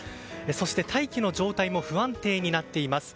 そして、大気の状態も不安定になっています。